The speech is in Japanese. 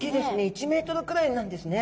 １ｍくらいなんですね。